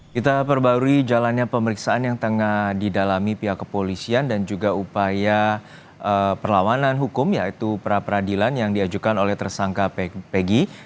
kita perbarui jalannya pemeriksaan yang tengah didalami pihak kepolisian dan juga upaya perlawanan hukum yaitu pra peradilan yang diajukan oleh tersangka pg